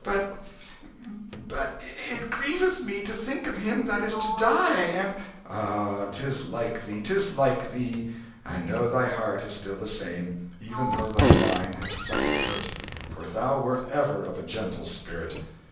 But but it grieveth me to think of him that is to die, and " "Ah, 'tis like thee, 'tis like thee! I know thy heart is still the same, even though thy mind hath suffered hurt, for thou wert ever of a gentle spirit.